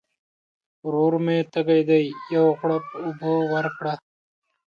ورور مي تږی دی ، یو غوړپ اوبه ورکړه !